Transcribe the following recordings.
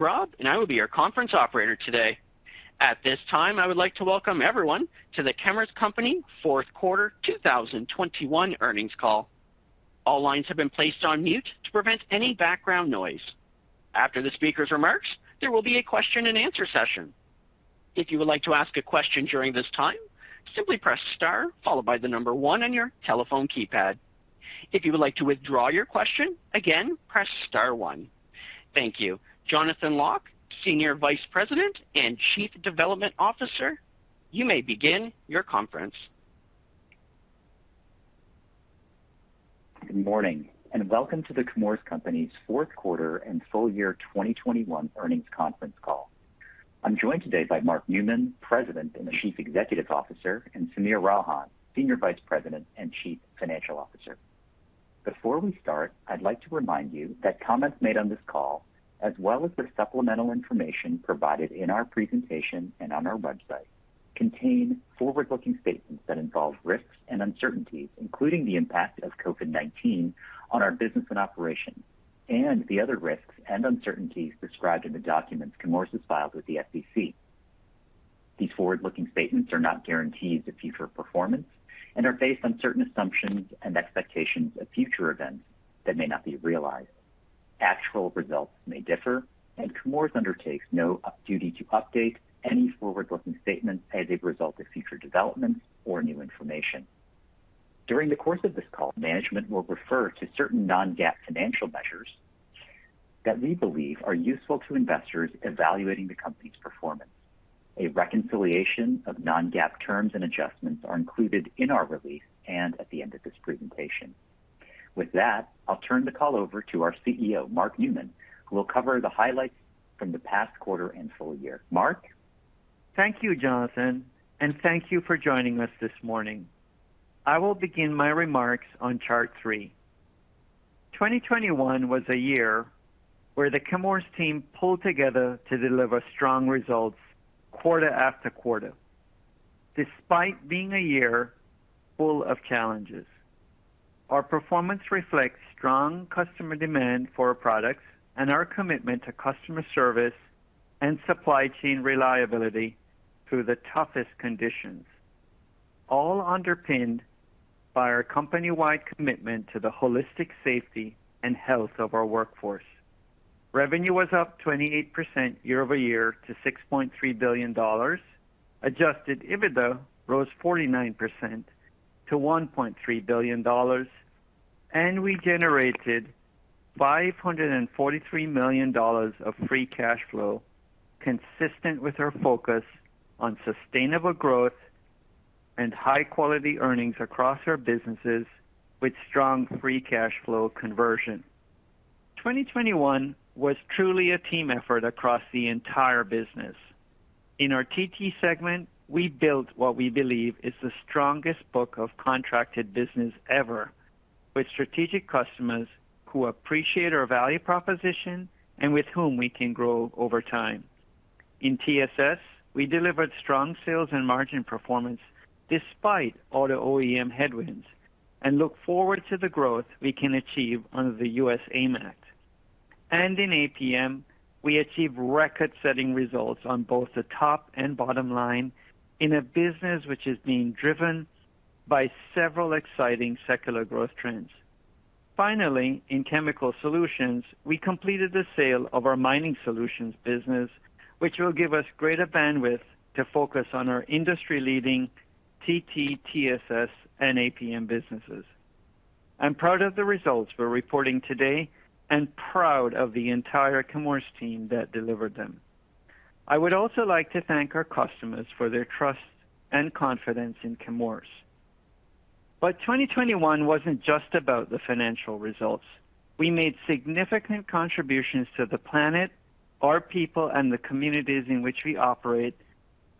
Rob and I will be your conference operator today. At this time, I would like to welcome everyone to The Chemours Company fourth quarter 2021 earnings call. All lines have been placed on mute to prevent any background noise. After the speaker's remarks, there will be a question and answer session. If you would like to ask a question during this time, simply press star followed by the number one on your telephone keypad. If you would like to withdraw your question, again, press star one. Thank you. Jonathan Lock, Senior Vice President and Chief Development Officer, you may begin your conference. Good morning, and welcome to The Chemours Company's fourth quarter and full year 2021 earnings conference call. I'm joined today by Mark Newman, President and Chief Executive Officer, and Sameer Ralhan, Senior Vice President and Chief Financial Officer. Before we start, I'd like to remind you that comments made on this call, as well as the supplemental information provided in our presentation and on our website, contain forward-looking statements that involve risks and uncertainties, including the impact of COVID-19 on our business and operations and the other risks and uncertainties described in the documents Chemours has filed with the SEC. These forward-looking statements are not guarantees of future performance and are based on certain assumptions and expectations of future events that may not be realized. Actual results may differ, and Chemours undertakes no duty to update any forward-looking statements as a result of future developments or new information. During the course of this call, management will refer to certain non-GAAP financial measures that we believe are useful to investors evaluating the company's performance. A reconciliation of non-GAAP terms and adjustments are included in our release and at the end of this presentation. With that, I'll turn the call over to our CEO, Mark Newman, who will cover the highlights from the past quarter and full year. Mark? Thank you, Jonathan, and thank you for joining us this morning. I will begin my remarks on chart three. 2021 was a year where the Chemours team pulled together to deliver strong results quarter after quarter, despite being a year full of challenges. Our performance reflects strong customer demand for our products and our commitment to customer service and supply chain reliability through the toughest conditions, all underpinned by our company-wide commitment to the holistic safety and health of our workforce. Revenue was up 28% year over year to $6.3 billion. Adjusted EBITDA rose 49% to $1.3 billion. We generated $543 million of free cash flow, consistent with our focus on sustainable growth and high-quality earnings across our businesses with strong free cash flow conversion. 2021 was truly a team effort across the entire business. In our TT segment, we built what we believe is the strongest book of contracted business ever with strategic customers who appreciate our value proposition and with whom we can grow over time. In TSS, we delivered strong sales and margin performance despite auto OEM headwinds and look forward to the growth we can achieve under the U.S. AIM Act. In APM, we achieved record-setting results on both the top and bottom line in a business which is being driven by several exciting secular growth trends. Finally, in Chemical Solutions, we completed the sale of our Mining Solutions business, which will give us greater bandwidth to focus on our industry-leading TT, TSS, and APM businesses. I'm proud of the results we're reporting today and proud of the entire Chemours team that delivered them. I would also like to thank our customers for their trust and confidence in Chemours. 2021 wasn't just about the financial results. We made significant contributions to the planet, our people, and the communities in which we operate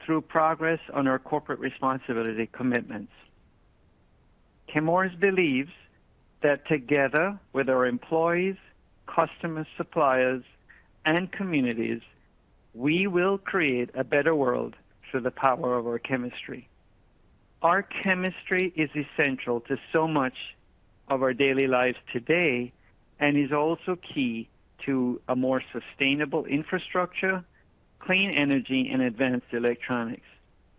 through progress on our corporate responsibility commitments. Chemours believes that together with our employees, customers, suppliers, and communities, we will create a better world through the power of our chemistry. Our chemistry is essential to so much of our daily lives today and is also key to a more sustainable infrastructure, clean energy, and advanced electronics.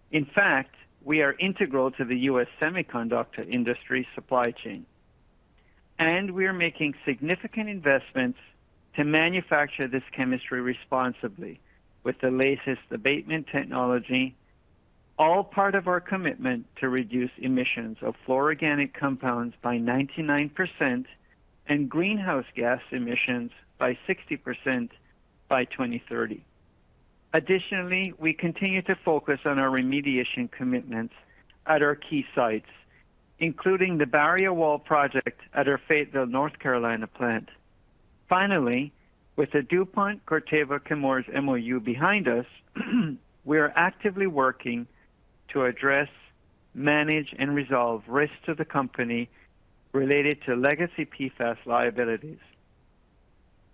In fact, we are integral to the U.S. semiconductor industry supply chain, and we are making significant investments to manufacture this chemistry responsibly with the latest abatement technology, all part of our commitment to reduce emissions of fluororganic compounds by 99% and greenhouse gas emissions by 60% by 2030. Additionally, we continue to focus on our remediation commitments at our key sites, including the Barrier Wall Project at our Fayetteville, North Carolina plant. Finally, with the DuPont, Corteva, Chemours MOU behind us, we are actively working to address, manage, and resolve risks to the company related to legacy PFAS liabilities.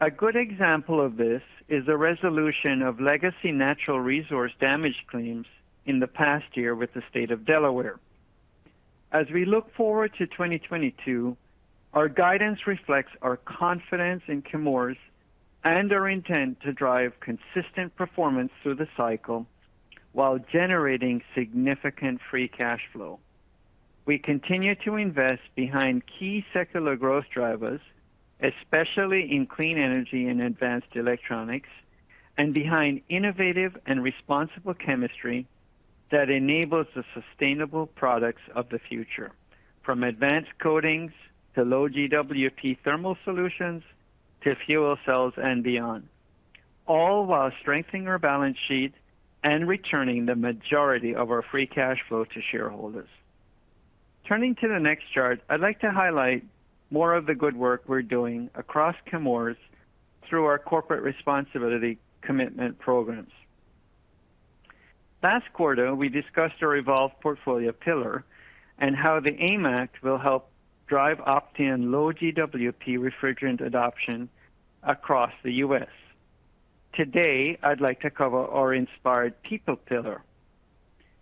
A good example of this is the resolution of legacy natural resource damage claims in the past year with the state of Delaware. As we look forward to 2022, our guidance reflects our confidence in Chemours and our intent to drive consistent performance through the cycle while generating significant free cash flow. We continue to invest behind key secular growth drivers, especially in clean energy and advanced electronics, and behind innovative and responsible chemistry that enables the sustainable pproducts of the future, from advanced coatings to low-GWP thermal solutions to fuel cells and beyond, all while strengthening our balance sheet and returning the majority of our free cash flow to shareholders. Turning to the next chart, I'd like to highlight more of the good work we're doing across Chemours through our corporate responsibility commitment programs. Last quarter, we discussed our Evolved Portfolio pillar and how the AIM Act will help drive opt-in low-GWP refrigerant adoption across the U.S. Today, I'd like to cover our Inspired People pillar.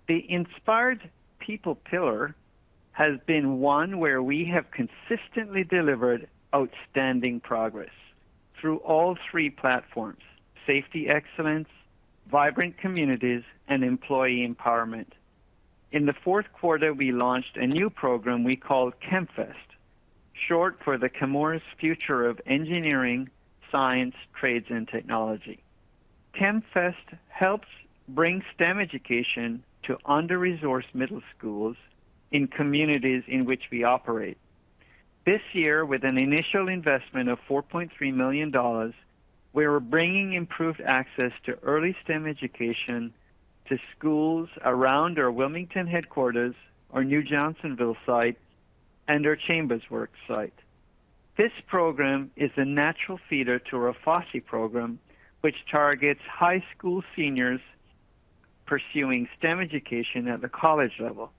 The Inspired People pillar has been one where we have consistently delivered outstanding progress through all three platforms. Safety excellence, vibrant communities, and employee empowerment. In the fourth quarter, we launched a new program we call ChemFEST, short for the Chemours Future of Engineering, Science, Trades and Technology. ChemFEST helps bring STEM education to under-resourced middle schools in communities in which we operate. This year, with an initial investment of $4.3 million, we are bringing improved access to early STEM education to schools around our Wilmington headquarters, our New Johnsonville site, and our Chambers Works site. This program is a natural feeder to Rafasi program, which targets high school seniors pursuing STEM education at the college level.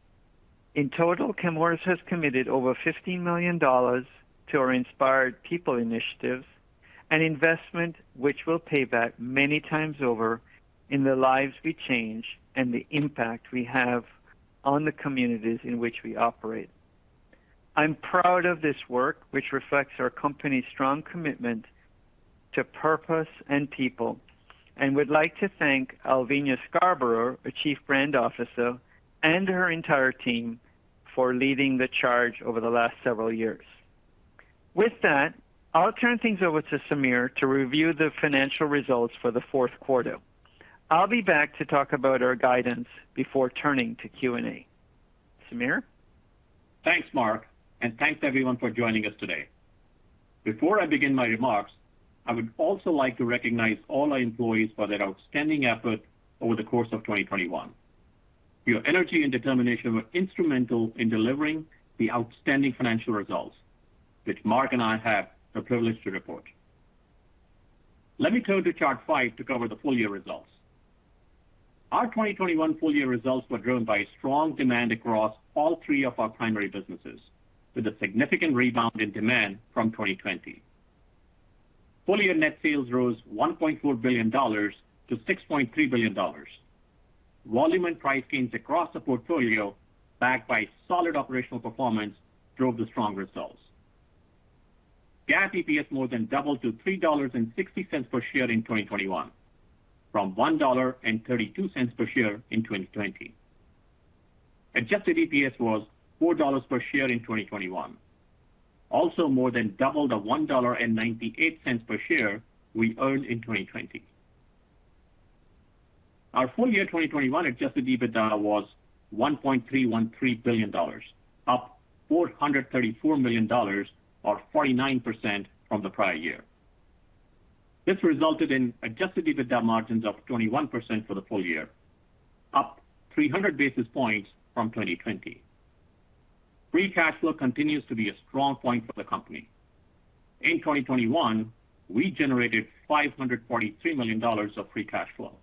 In total, Chemours has committed over $15 million to our Inspired People initiative, an investment which will pay back many times over in the lives we change and the impact we have on the communities in which we operate. I'm proud of this work, which reflects our company's strong commitment to purpose and people, and would like to thank Alvenia Scarborough, our Chief Brand Officer, and her entire team for leading the charge over the last several years. With that, I'll turn things over to Sameer to review the financial results for the fourth quarter. I'll be back to talk about our guidance before turning to Q&A. Sameer. Thanks, Mark, and thanks everyone for joining us today. Before I begin my remarks, I would also like to recognize all our employees for their outstanding effort over the course of 2021. Your energy and determination were instrumental in delivering the outstanding financial results, which Mark and I have the privilege to report. Let me turn to chart 5 to cover the full year results. Our 2021 full year results were driven by strong demand across all three of our primary businesses, with a significant rebound in demand from 2020. Full year net sales rose $1.4 billion to $6.3 billion. Volume and price gains across the portfolio, backed by solid operational performance, drove the strong results. GAAP EPS more than doubled to $3.60 per share in 2021 from $1.32 per share in 2020. Adjusted EPS was $4 per share in 2021, also more than double the $1.98 per share we earned in 2020. Our full year 2021 adjusted EBITDA was $1.313 billion, up $434 million or 49% from the prior year. This resulted in adjusted EBITDA margins of 21% for the full year, up 300 basis points from 2020. Free cash flow continues to be a strong point for the company. In 2021, we generated $543 million of free cash flow.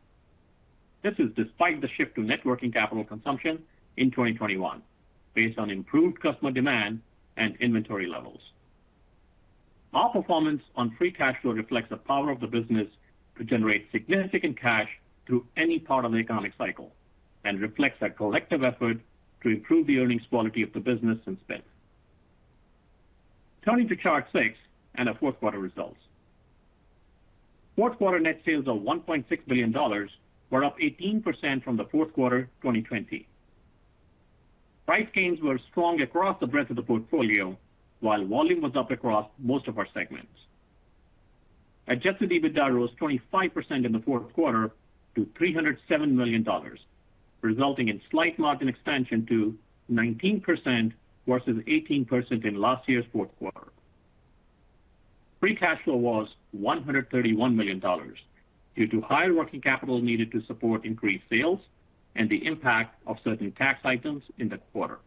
This is despite the shift to net working capital consumption in 2021 based on improved customer demand and inventory levels. Our performance on free cash flow reflects the power of the business to generate significant cash through any part of the economic cycle and reflects our collective effort to improve the earnings quality of the business since then. Turning to Chart six and our fourth quarter results. Fourth quarter net sales of $1.6 billion were up 18% from the fourth quarter 2020. Price gains were strong across the breadth of the portfolio, while volume was up across most of our segments. Adjusted EBITDA rose 25% in the fourth quarter to $307 million, resulting in slight margin expansion to 19% versus 18% in last year's fourth quarter. Free cash flow was $131 million due to higher working capital needed to support increased sales and the impact of certain tax items in the quarter.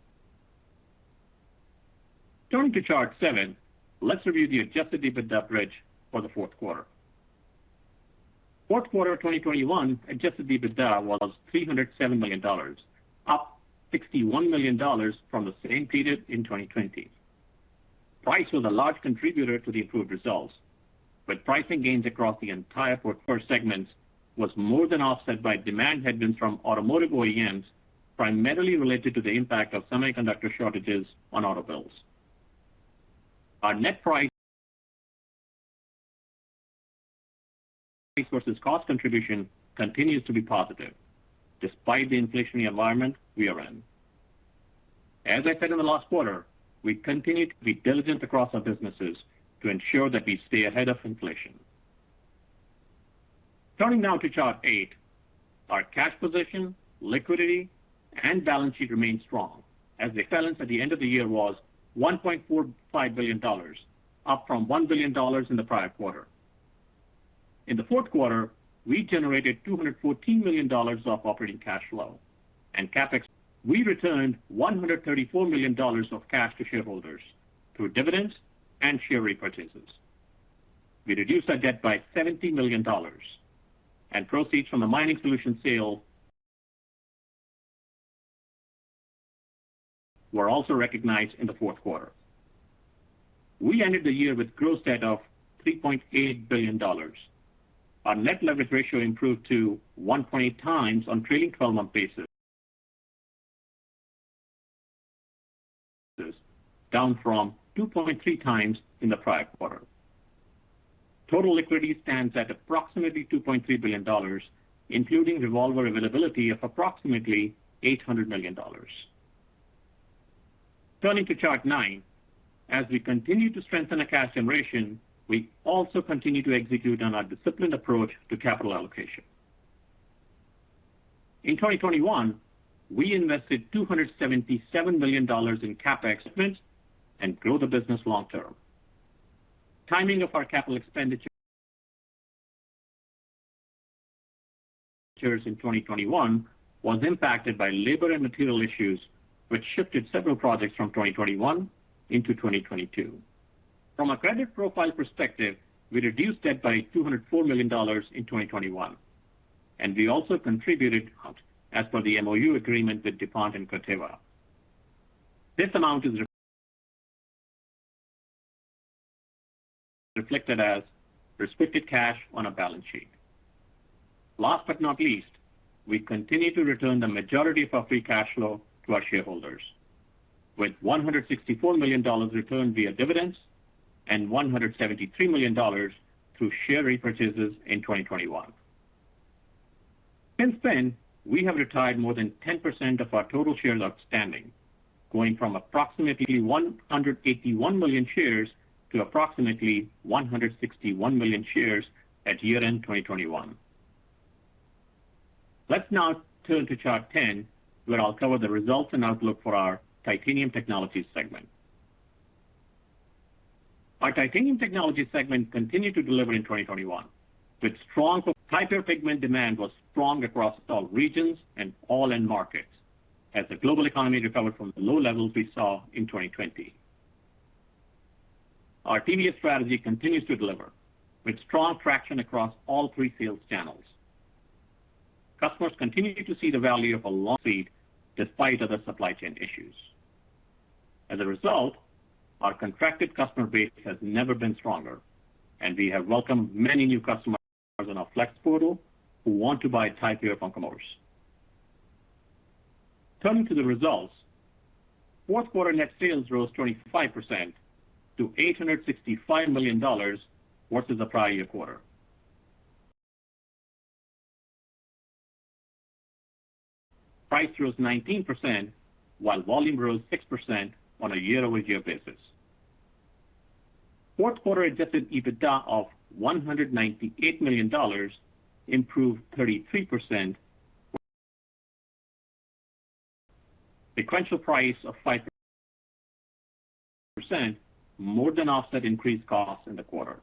Turning to Chart seven, let's review the adjusted EBITDA bridge for the fourth quarter. Fourth quarter 2021 adjusted EBITDA was $307 million, up $61 million from the same period in 2020. Price was a large contributor to the improved results, but pricing gains across all four business segments was more than offset by demand headwinds from automotive OEMs, primarily related to the impact of semiconductor shortages on auto builds. Our net price versus cost contribution continues to be positive despite the inflationary environment we are in. As I said in the last quarter, we continue to be diligent across our businesses to ensure that we stay ahead of inflation. Turning now to chart eight. Our cash position, liquidity, and balance sheet remain strong as the balance at the end of the year was $1.45 billion, up from $1 billion in the prior quarter. In the fourth quarter, we generated $214 million of operating cash flow and CapEx. We returned $134 million of cash to shareholders through dividends and share repurchases. We reduced our debt by $70 million, and proceeds from the Mining Solutions sale were also recognized in the fourth quarter. We ended the year with gross debt of $3.8 billion. Our net leverage ratio improved to 1.8x on trailing twelve-month basis, down from 2.3x in the prior quarter. Total liquidity stands at approximately $2.3 billion, including revolver availability of approximately $800 million. Turning to chart nine. We continue to strengthen our cash generation. We also continue to execute on our disciplined approach to capital allocation. In 2021, we invested $277 million in CapEx spend and grow the business long term. Timing of our capital expenditures in 2021 was impacted by labor and material issues, which shifted several projects from 2021 into 2022. From a credit profile perspective, we reduced debt by $204 million in 2021, and we also contributed out as per the MOU agreement with DuPont and Corteva. This amount is reflected as restricted cash on our balance sheet. Last but not least, we continue to return the majority of our free cash flow to our shareholders, with $164 million returned via dividends and $173 million through share repurchases in 2021. Since then, we have retired more than 10% of our total shares outstanding, going from approximately 181 million shares to approximately 161 million shares at year-end 2021. Let's now turn to chart 10, where I'll cover the results and outlook for our Titanium Technologies segment. Our Titanium Technologies segment continued to deliver in 2021 with strong Ti-Pure pigment demand was strong across all regions and all end markets as the global economy recovered from the low levels we saw in 2020. Our TVS strategy continues to deliver with strong traction across all three sales channels. Customers continue to see the value of a long lead despite other supply chain issues. As a result, our contracted customer base has never been stronger, and we have welcomed many new customers on our Flex Portal who want to buy Ti-Pure from Chemours. Turning to the results. Fourth quarter net sales rose 25% to $865 million versus the prior year quarter. Price rose 19%, while volume rose 6% on a year-over-year basis. Fourth quarter adjusted EBITDA of $198 million improved 33%. Sequential price of 5%, more than offset increased costs in the quarter.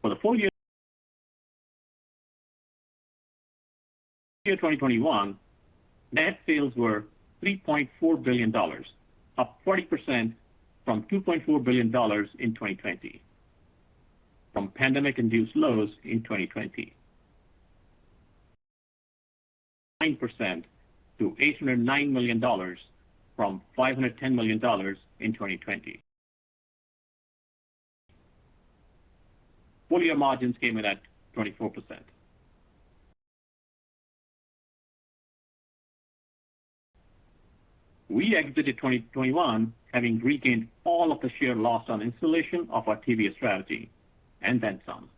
For the full year 2021, net sales were $3.4 billion, up 40% from $2.4 billion in 2020 from pandemic-induced lows in 2020. 9% to $809 million from $510 million in 2020. Full-year margins came in at 24%. We exited 2021 having regained all of the share lost on installation of our TVS strategy, and then some.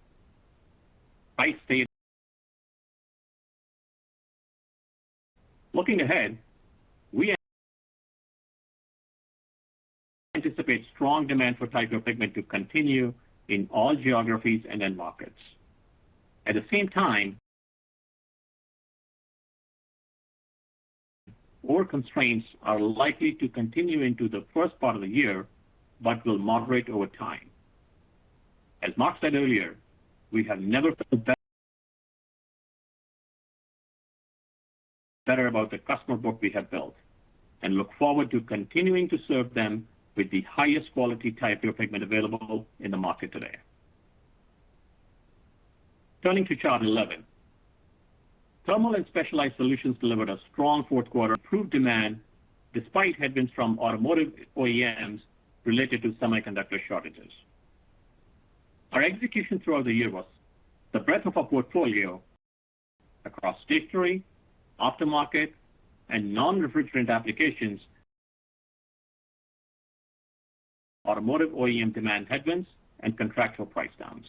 Price stayed. Looking ahead, we anticipate strong demand for Ti-Pure pigment to continue in all geographies and end markets. At the same time, more constraints are likely to continue into the first part of the year but will moderate over time. As Mark said earlier, we have never felt better about the customer book we have built and look forward to continuing to serve them with the highest quality Ti-Pure pigment available in the market today. Turning to chart 11. Thermal & Specialized Solutions delivered a strong fourth quarter improved demand despite headwinds from automotive OEMs related to semiconductor shortages. Our execution throughout the year benefited from the breadth of our portfolio across D3, aftermarket, and non-refrigerant applications despite automotive OEM demand headwinds and contractual price downs.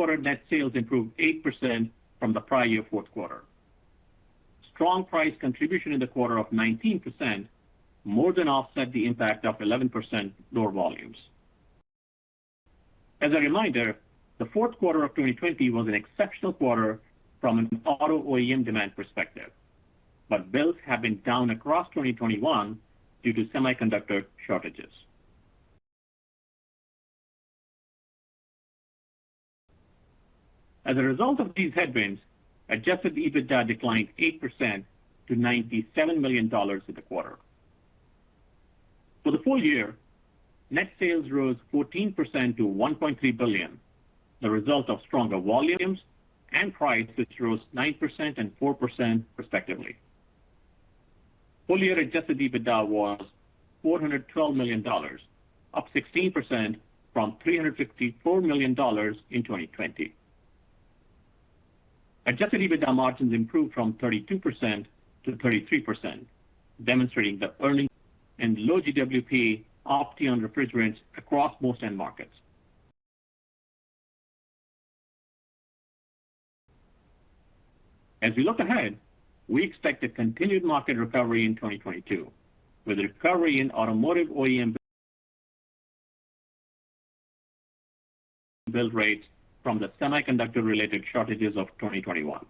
Fourth quarter net sales improved 8% from the prior year fourth quarter. Strong price contribution in the quarter of 19% more than offset the impact of 11% lower volumes. As a reminder, the fourth quarter of 2020 was an exceptional quarter from an auto OEM demand perspective, but builds have been down across 2021 due to semiconductor shortages. As a result of these headwinds, adjusted EBITDA declined 8% to $97 million in the quarter. For the full year, net sales rose 14% to $1.3 billion, the result of stronger volumes and price, which rose 9% and 4% respectively. Full year adjusted EBITDA was $412 million, up 16% from $364 million in 2020. Adjusted EBITDA margins improved from 32% to 33%, demonstrating the earnings of low GWP Opteon refrigerants across most end markets. We look ahead to a continued market recovery in 2022, with a recovery in automotive OEM build rates from the semiconductor-related shortages of 2021.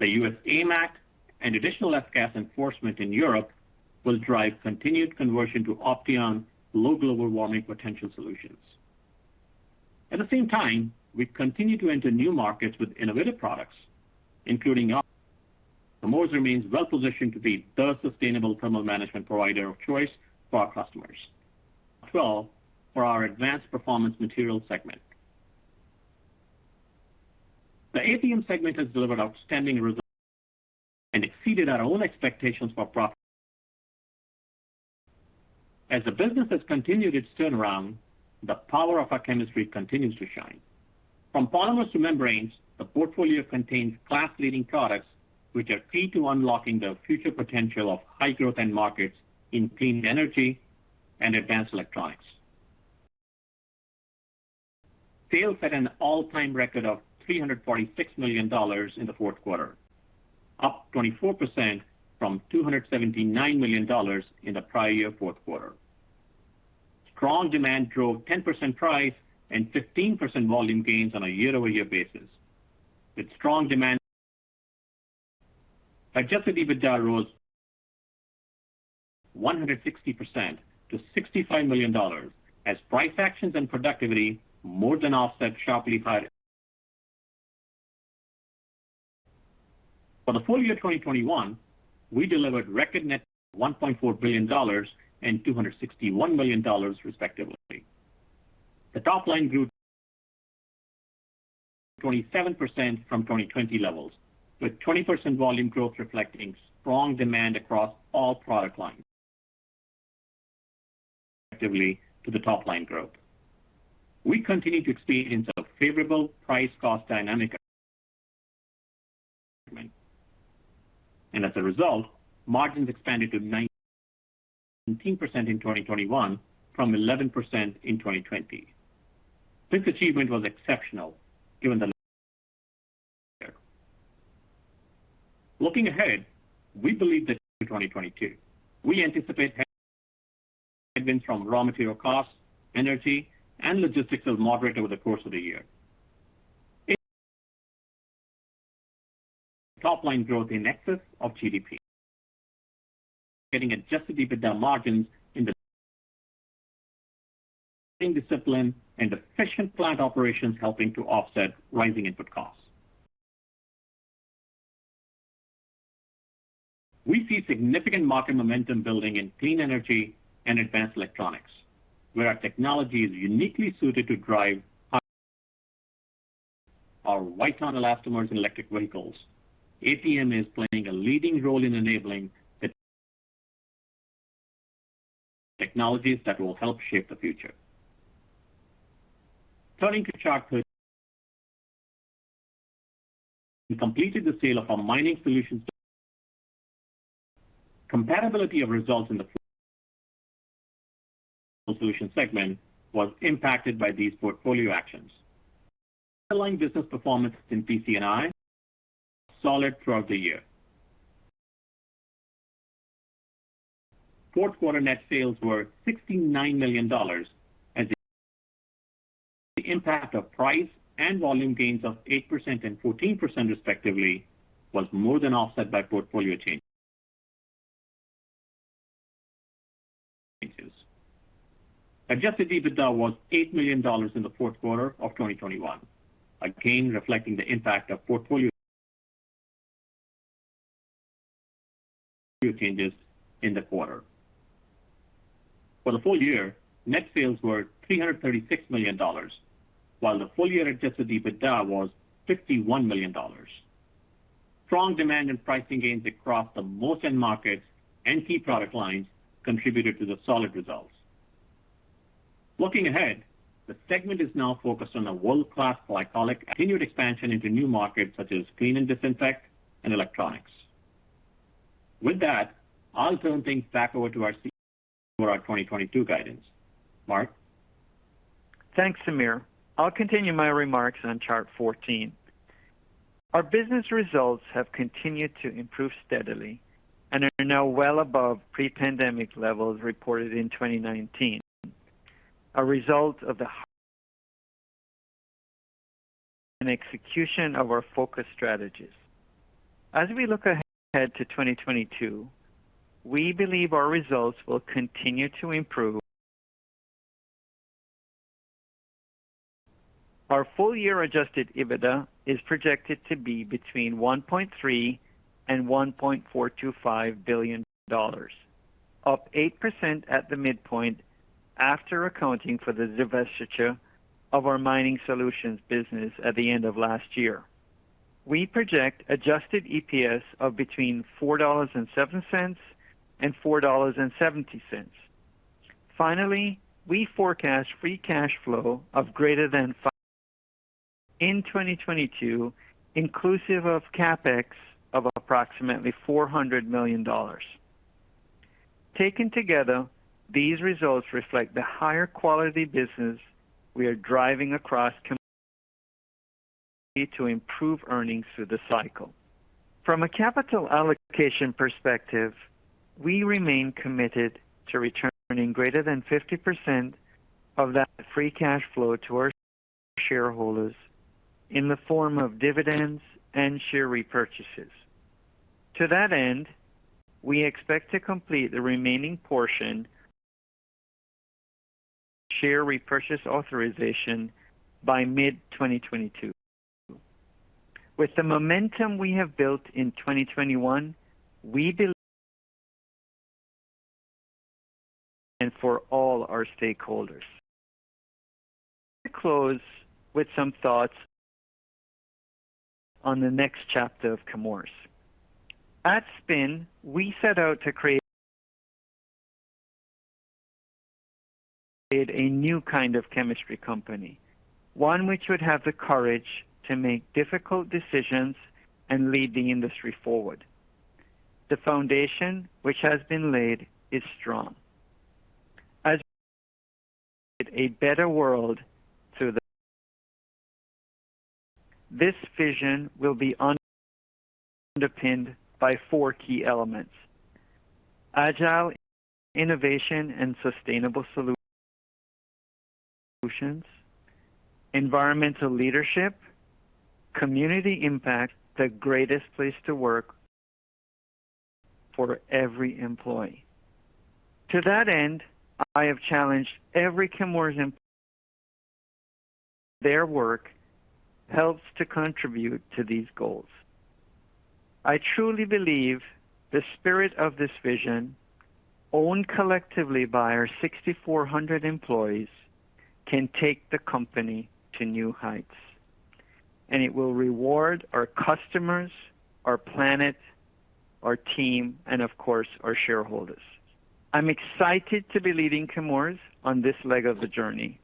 The U.S. AIM Act and additional F-gas enforcement in Europe will drive continued conversion to Opteon low global warming potential solutions. At the same time, we continue to enter new markets with innovative products. Chemours remains well positioned to be the sustainable thermal management provider of choice for our customers. Now, for our Advanced Performance Materials segment. The APM segment has delivered outstanding results and exceeded our own expectations for profit. As the business has continued its turnaround, the power of our chemistry continues to shine. From polymers to membranes, the portfolio contains class-leading products which are key to unlocking the future potential of high-growth end markets in clean energy and advanced electronics. Sales at an all-time record of $346 million in the fourth quarter, up 24% from $279 million in the prior year fourth quarter. Strong demand drove 10% price and 15% volume gains on a year-over-year basis. Adjusted EBITDA rose 160% to $65 million as price actions and productivity more than offset sharply higher. For the full year 2021, we delivered record net sales of $1.4 billion and $261 million, respectively. The top line grew 27% from 2020 levels, with 20% volume growth reflecting strong demand across all product lines effectively to the top line growth. We continue to experience a favorable price-cost dynamic. As a result, margins expanded to 19% in 2021 from 11% in 2020. This achievement was exceptional given the. Looking ahead, we believe that 2022, we anticipate headwinds from raw material costs, energy, and logistics will moderate over the course of the year. Top line growth in excess of GDP. Getting adjusted EBITDA margins through discipline and efficient plant operations helping to offset rising input costs. We see significant market momentum building in clean energy and advanced electronics, where our technology is uniquely suited to drive our elastomers and electric vehicles. APM is playing a leading role in enabling the technologies that will help shape the future. Turning to chart. We completed the sale of our Mining Solutions. Comparability of results in the solutions segment was impacted by these portfolio actions. Underlying business performance in PC&I was solid throughout the year. Fourth quarter net sales were $69 million as the impact of price and volume gains of 8% and 14% respectively was more than offset by portfolio changes. Adjusted EBITDA was $8 million in the fourth quarter of 2021, a gain reflecting the impact of portfolio, few changes in the quarter. For the full year, net sales were $336 million, while the full year adjusted EBITDA was $51 million. Strong demand and pricing gains across the most end markets and key product lines contributed to the solid results. Looking ahead, the segment is now focused on a world-class continued expansion into new markets such as cleaning and disinfectants and electronics. With that, I'll turn things back over to our CEO for our 2022 guidance. Mark. Thanks, Sameer. I'll continue my remarks on chart 14. Our business results have continued to improve steadily and are now well above pre-pandemic levels reported in 2019, a result of the hard work and execution of our focus strategies. As we look ahead to 2022, we believe our results will continue to improve. Our full-year adjusted EBITDA is projected to be between $1.3 billion and $1.425 billion, up 8% at the midpoint after accounting for the divestiture of our Mining Solutions business at the end of last year. We project adjusted EPS of between $4.07 and $4.70. Finally, we forecast free cash flow of greater than $500 million in 2022, inclusive of CapEx of approximately $400 million. Taken together, these results reflect the higher quality business we are driving across to improve earnings through the cycle. From a capital allocation perspective, we remain committed to returning greater than 50% of that free cash flow to our shareholders in the form of dividends and share repurchases. To that end, we expect to complete the remaining portion share repurchase authorization by mid-2022. With the momentum we have built in 2021, we believe and for all our stakeholders. To close with some thoughts on the next chapter of Chemours. At spin-off, we set out to create a new kind of chemistry company, one which would have the courage to make difficult decisions and lead the industry forward. The foundation which has been laid is strong. As a better world through. This vision will be underpinned by four key elements, agile innovation and sustainable solutions, environmental leadership, community impact, the greatest place to work for every employee. I have challenged every Chemours employee. Their work helps to contribute to these goals. I truly believe the spirit of this vision, owned collectively by our 6,400 employees, can take the company to new heights, and it will reward our customers, our planet, our team, and of course, our shareholders. I'm excited to be leading Chemours on this leg of the journey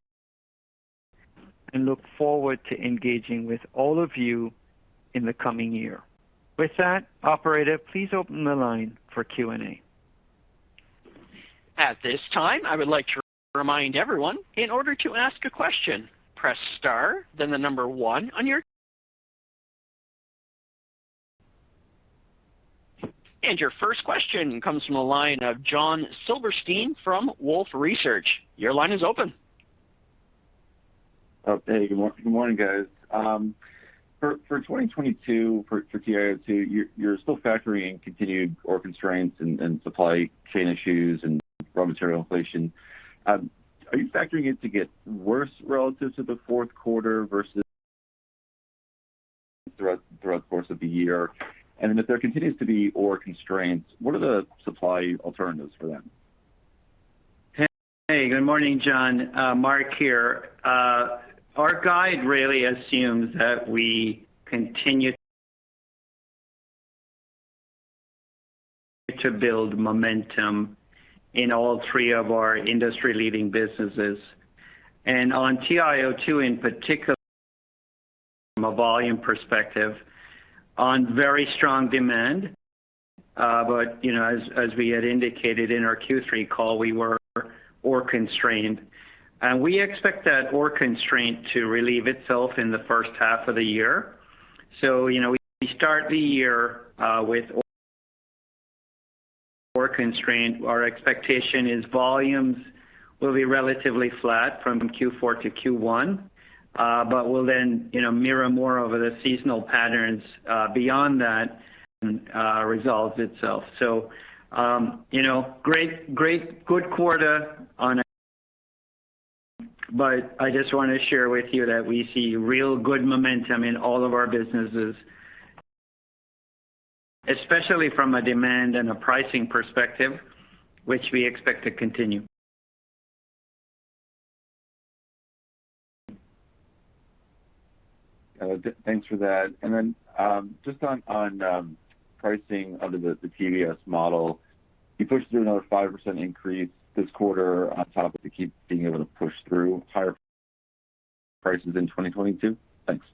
and look forward to engaging with all of you in the coming year. With that, operator, please open the line for Q&A. At this time, I would like to remind everyone, in order to ask a question, press star, then the number one on your. Your first question comes from the line of John Roberts from Wolfe Research. Your line is open. Hey, good morning, guys. For 2022 for TiO2, you're still factoring in continued ore constraints and supply chain issues and raw material inflation. Are you factoring it to get worse relative to the fourth quarter versus throughout the course of the year? If there continues to be ore constraints, what are the supply alternatives for them? Hey. Good morning, John. Mark here. Our guide really assumes that we continue to build momentum in all three of our industry-leading businesses. On TiO2, in particular from a volume perspective on very strong demand. You know, as we had indicated in our Q3 call, we were ore constrained. We expect that ore constraint to relieve itself in the first half of the year. You know, we start the year with ore constraint. Our expectation is volumes will be relatively flat from Q4 to Q1, but will then, you know, mirror more over the seasonal patterns beyond that and resolves itself. You know, great, good quarter on a- I just wanna share with you that we see real good momentum in all of our businesses, especially from a demand and a pricing perspective, which we expect to continue. Thanks for that. Then, just on pricing under the TVS model, you pushed through another 5% increase this quarter on top of that to keep being able to push through higher prices in 2022? Thanks.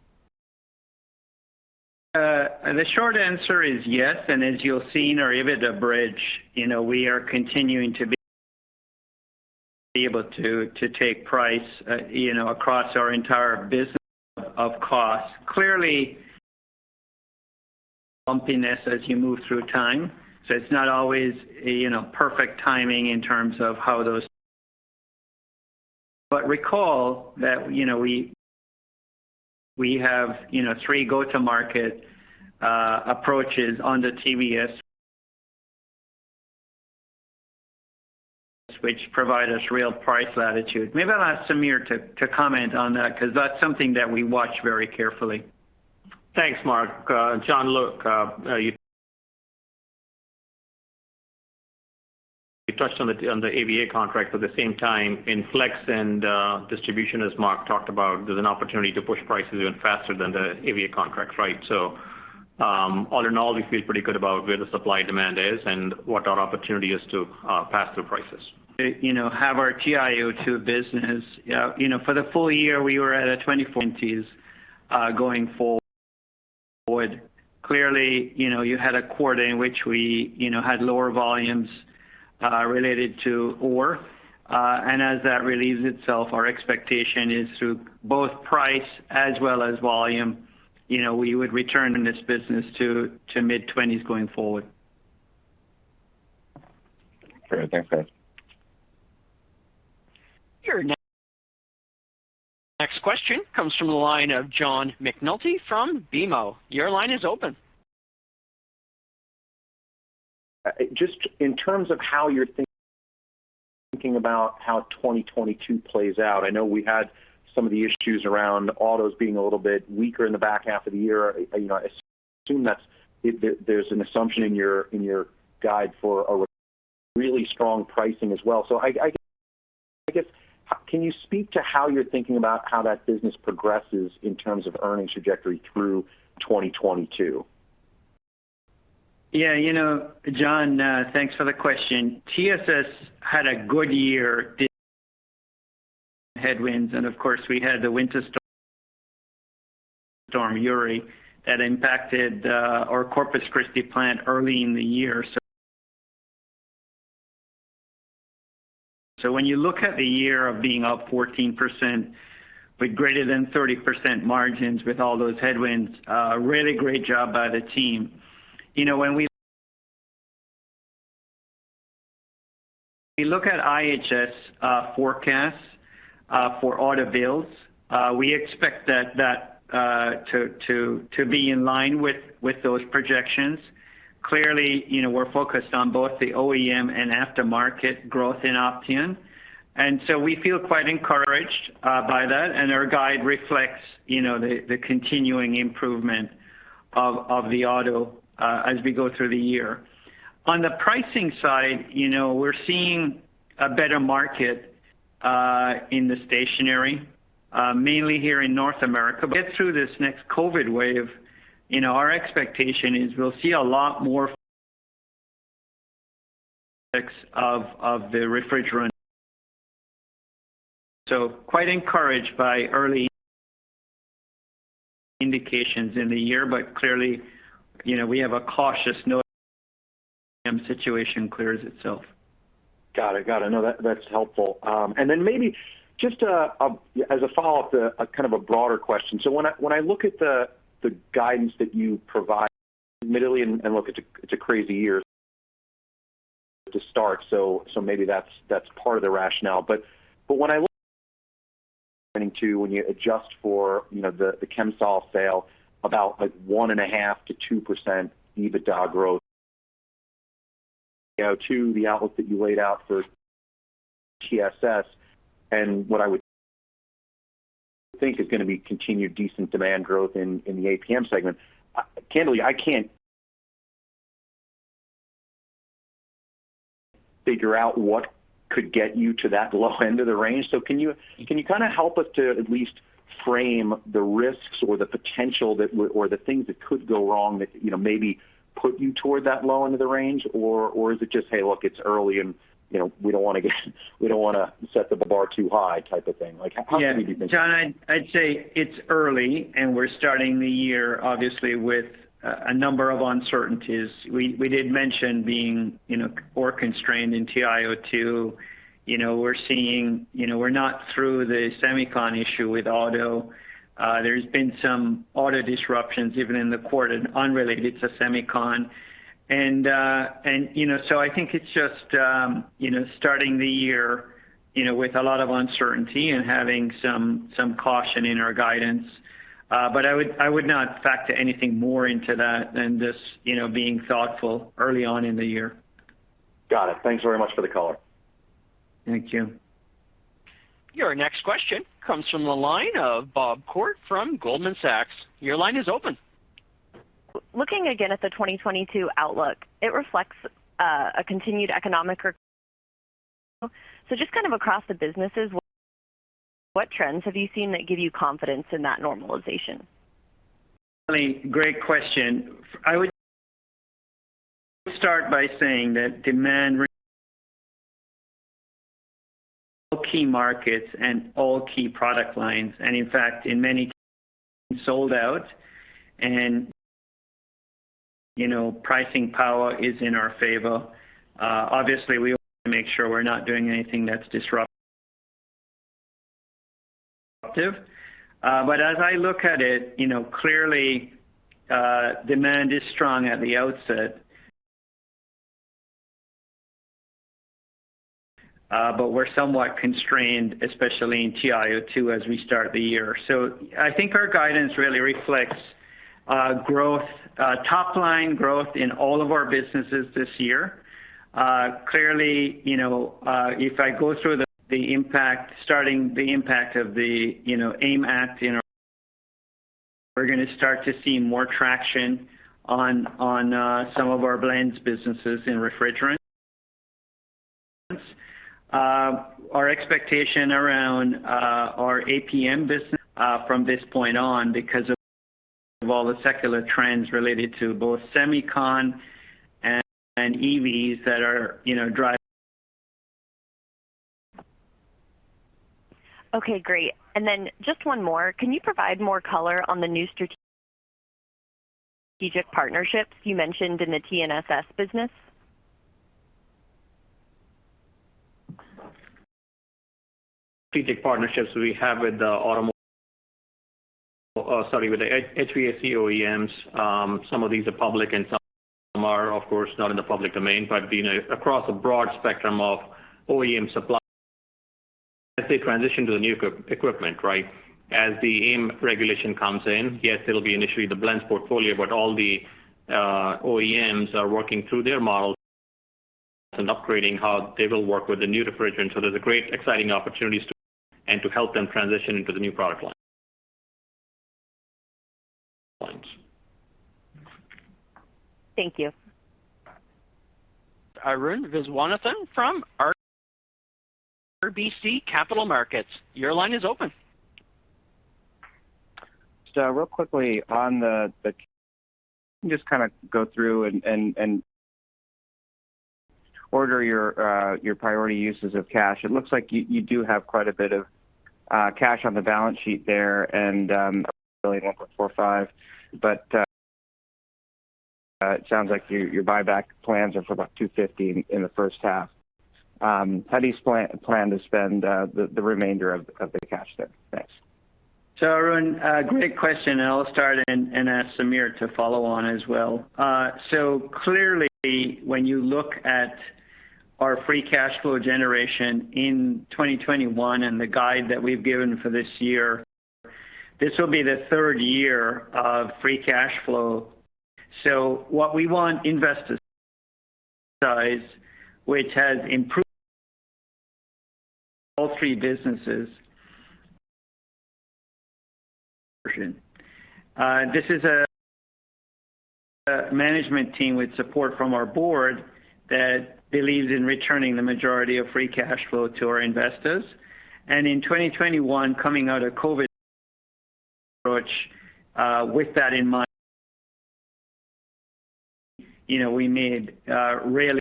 The short answer is yes, and as you'll see in our EBITDA bridge, you know, we are continuing to be able to take price, you know, across our entire business to offset costs. Clearly, bumpiness as you move through time, so it's not always, you know, perfect timing in terms of how those. But recall that, you know, we have, you know, three go-to-market approaches on the TVS which provide us real price latitude. Maybe I'll ask Sameer to comment on that because that's something that we watch very carefully. Thanks, Mark. John, look, you touched on the AVA contracts. At the same time, in Flex and distribution, as Mark talked about, there's an opportunity to push prices even faster than the AVA contracts, right? All in all, we feel pretty good about where the supply and demand is and what our opportunity is to pass through prices. You know, we have our TiO₂ business. You know, for the full year, we were at 24% going forward. Clearly, you know, you had a quarter in which we, you know, had lower volumes related to ore. As that relieves itself, our expectation is through both price as well as volume, you know, we would return this business to mid 20s% going forward. Great. Thanks, guys. Your next question comes from the line of John McNulty from BMO. Your line is open. Just in terms of how you're thinking about how 2022 plays out. I know we had some of the issues around autos being a little bit weaker in the back half of the year. You know, I assume there's an assumption in your guide for a really strong pricing as well. I guess, can you speak to how you're thinking about how that business progresses in terms of earnings trajectory through 2022? Yeah. You know, John, thanks for the question. TSS had a good year despite some headwinds, and of course, we had the winter storm, Storm Uri, that impacted our Corpus Christi plant early in the year. When you look at the year being up 14%, but greater than 30% margins with all those headwinds, really great job by the team. You know, when we look at IHS forecasts for auto builds, we expect that to be in line with those projections. Clearly, you know, we're focused on both the OEM and aftermarket growth in Opteon. We feel quite encouraged by that. Our guide reflects, you know, the continuing improvement of the auto as we go through the year. On the pricing side, you know, we're seeing a better market in the stationary, mainly here in North America. As we get through this next COVID wave, you know, our expectation is we'll see a lot more of the refrigerant. Quite encouraged by early indications in the year, but clearly, you know, we have a cautious note as the OEM situation clears itself. Got it. No, that's helpful. Maybe just as a follow-up to a kind of a broader question. When I look at the guidance that you provided, admittedly, look, it's a crazy year to start, maybe that's part of the rationale. But when I look at 2022, when you adjust for, you know, the ChemSol sale, about like 1.5%-2% EBITDA growth. You know, to the outlook that you laid out for TSS and what I would think is gonna be continued decent demand growth in the APM segment. Candidly, I can't figure out what could get you to that low end of the range. Can you kinda help us to at least frame the risks or the potential that or the things that could go wrong that, you know, maybe put you toward that low end of the range? Or is it just, "Hey, look, it's early and, you know, we don't wanna set the bar too high," type of thing? Like how can we be thinking? Yeah. John, I'd say it's early and we're starting the year obviously with a number of uncertainties. We did mention being, you know, ore constrained in TiO2. You know, we're seeing you know, we're not through the semicon issue with auto. There's been some auto disruptions even in the quarter unrelated to semicon. You know, I think it's just you know starting the year you know with a lot of uncertainty and having some caution in our guidance. I would not factor anything more into that than just you know being thoughtful early on in the year. Got it. Thanks very much for the color. Thank you. Your next question comes from the line of Bob Koort from Goldman Sachs. Your line is open. Looking again at the 2022 outlook, it reflects a continued economic recovery. Just kind of across the businesses, what trends have you seen that give you confidence in that normalization? Great question. I would start by saying that demand in key markets and all key product lines, and in fact, in many sold out and, you know, pricing power is in our favor. Obviously, we make sure we're not doing anything that's disruptive. As I look at it, you know, clearly, demand is strong at the outset. We're somewhat constrained, especially in TiO2 as we start the year. I think our guidance really reflects, top line growth in all of our businesses this year. Clearly, you know, if I go through the impact of the AIM Act, you know, we're gonna start to see more traction on some of our blends businesses in refrigerants. Our expectation around our APM business from this point on because of all the secular trends related to both semicon and EVs that are, you know, driving Okay, great. Just one more. Can you provide more color on the new strategic partnerships you mentioned in the TT business? Strategic partnerships we have with the HVAC OEMs. Some of these are public and some are, of course, not in the public domain, but, you know, across a broad spectrum of OEM supply, as they transition to the new equipment, right? As the AIM regulation comes in, yes, it'll be initially the blends portfolio, but all the OEMs are working through their models and upgrading how they will work with the new refrigerant. There's a great exciting opportunities and to help them transition into the new product lines. Thank you. Arun Viswanathan from RBC Capital Markets. Your line is open. Real quickly on the just kinda go through and order your priority uses of cash. It looks like you do have quite a bit of cash on the balance sheet there and really $1.45 billion. It sounds like your buyback plans are for about $250 million in the first half. How do you plan to spend the remainder of the cash there? Thanks. Arun, great question, and I'll start and ask Sameer to follow on as well. Clearly, when you look at our free cash flow generation in 2021 and the guide that we've given for this year, this will be the third year of free cash flow. What we want investors to see, which has improved all three businesses. This is a management team with support from our board that believes in returning the majority of free cash flow to our investors. In 2021, coming out of COVID, we approached with that in mind, you know, we made really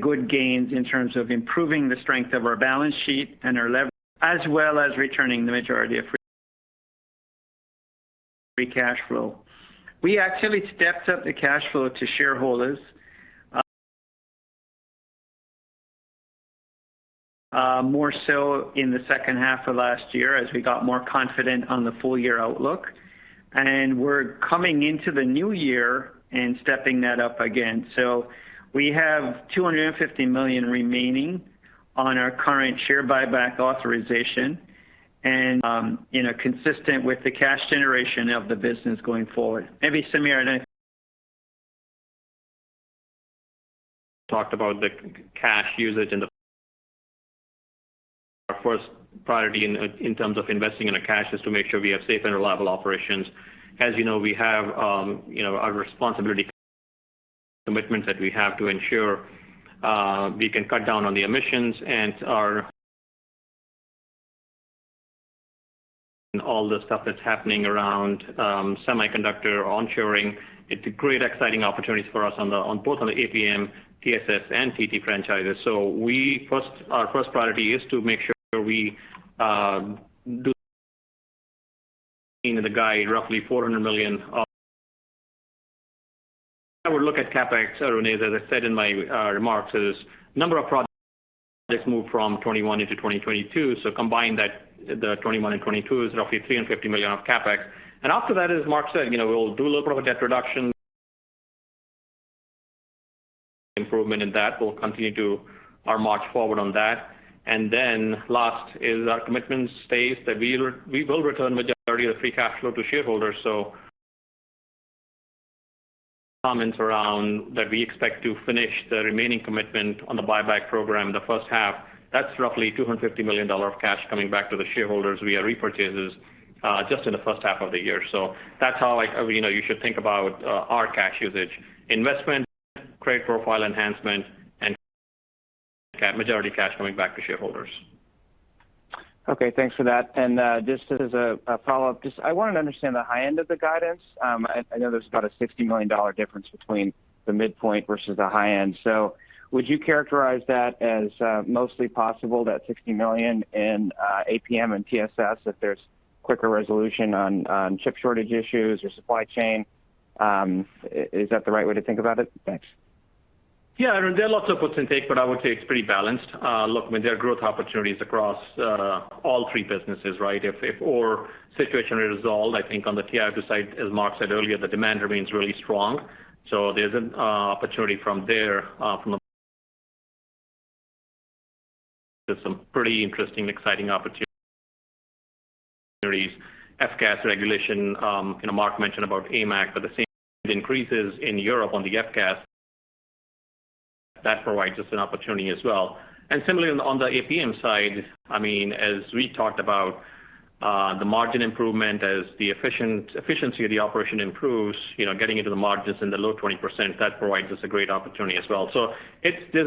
good gains in terms of improving the strength of our balance sheet and our leverage, as well as returning the majority of free cash flow. We actually stepped up the cash flow to shareholders more so in the second half of last year as we got more confident on the full year outlook. We're coming into the new year and stepping that up again. We have $250 million remaining on our current share buyback authorization and, you know, consistent with the cash generation of the business going forward. Maybe Sameer and I- talked about the cash usage and our first priority in terms of investing our cash is to make sure we have safe and reliable operations. As you know, we have you know, our responsibility commitments that we have to ensure we can cut down on the emissions and all the stuff that's happening around semiconductor onshoring. It's a great exciting opportunity for us on both the APM, TSS, and TT franchises. Our first priority is to make sure we do the guide roughly $400 million. I would look at CapEx, as I said in my remarks, is number of projects moved from 2021 into 2022. So combine that, the 2021 and 2022 is roughly $350 million of CapEx. After that, as Mark said, you know, we'll do a little bit of a debt reduction. Improvement in that. We'll continue our march forward on that. Then last is our commitment that we will return majority of the free cash flow to shareholders. So, comments around that we expect to finish the remaining commitment on the buyback program in the first half. That's roughly $250 million of cash coming back to the shareholders via repurchases just in the first half of the year. So that's how, like, you know, you should think about our cash usage. Investment, credit profile enhancement, and majority cash coming back to shareholders. Okay, thanks for that. Just as a follow-up, I wanted to understand the high end of the guidance. I know there's about a $60 million difference between the midpoint versus the high end. Would you characterize that as mostly possible that $60 million in APM and TSS if there's quicker resolution on chip shortage issues or supply chain? Is that the right way to think about it? Thanks. Yeah. There are lots of puts and takes, but I would say it's pretty balanced. Look, I mean, there are growth opportunities across all three businesses, right? If ore situation resolved, I think on the TiO2 side, as Mark said earlier, the demand remains really strong. So there's an opportunity from there, from some pretty interesting, exciting opportunities. F-gas regulation, you know, Mark mentioned about AIM Act, but the same increases in Europe on the F-gas. That provides us an opportunity as well. And similarly on the APM side, I mean, as we talked about, the margin improvement as the efficiency of the operation improves, you know, getting into the margins in the low 20%, that provides us a great opportunity as well. So this is